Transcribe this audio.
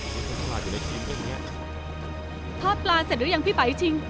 ทอดปลาเสร็จหรือยังพี่ป๋ายชิง